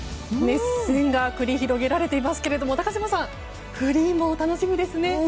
熱戦が繰り広げられていますが高島さんフリーも楽しみですね。